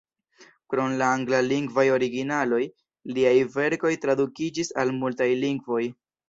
Krom la anglalingvaj originaloj, liaj verkoj tradukiĝis al multaj lingvoj.